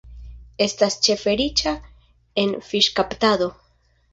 Estas ĉefe riĉa en fiŝkaptado.